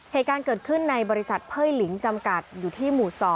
เหตุการณ์เกิดขึ้นในบริษัทไพ่ลิงจำกัดอยู่ที่หมู่๒